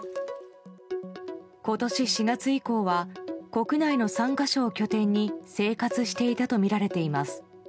今年４月以降は国内の３か所を拠点に生活していたとみられています。